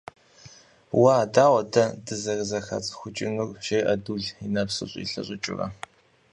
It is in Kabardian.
– Уа, дауэ дэ дызэрызэхацӀыхукӀынур? – жеӀэ Дул, и нэпсыр щӀилъэщӀыкӀыурэ.